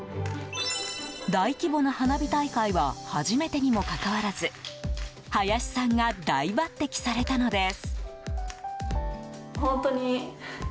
大規模な花火大会は初めてにもかかわらず林さんが大抜擢されたのです。